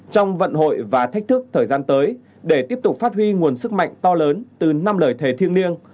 trong vận hội và thách thức thời gian tới để tiếp tục phát huy nguồn sức mạnh to lớn từ năm lời thề thiêng liêng